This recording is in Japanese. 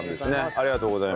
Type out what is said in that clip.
ありがとうございます。